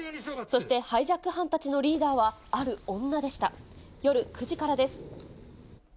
そしてハイジャック犯たちのリーダーは、ある女でした。